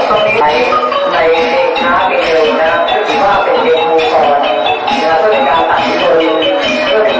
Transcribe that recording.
ภูมิการถ่ายขึ้นภูมิการเผื่อใจภูมิการข้อมูลภูมิการมองจัดสรรค